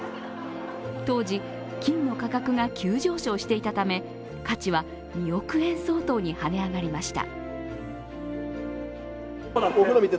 当時、金の価格が急上昇していたため、価値は２億円相当にはね上がりました。